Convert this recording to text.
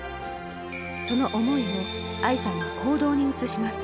その想いを愛さんは行動に移します。